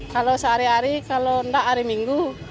kalau sehari hari kalau enggak hari minggu